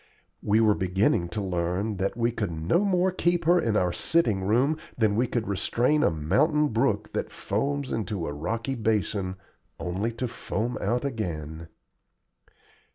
We were beginning to learn that we could no more keep her in our sitting room than we could restrain a mountain brook that foams into a rocky basin only to foam out again.